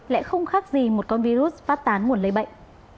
lẽ không khác gì một con virus phát tán muộn lấy bệnh